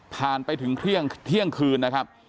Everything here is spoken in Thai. ไปถึงเที่ยงคืนนะครับ